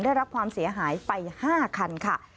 ได้รับความเสียหายไป๕คันค่ะ